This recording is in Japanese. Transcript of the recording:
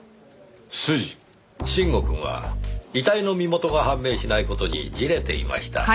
臣吾くんは遺体の身元が判明しない事に焦れていました。